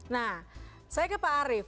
nah saya ke pak arief